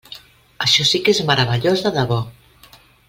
Això sí que és meravellós de debò!